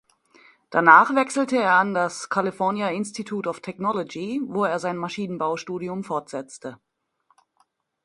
Danach wechselte er an das California Institute of Technology, wo er sein Maschinenbaustudium fortsetzte.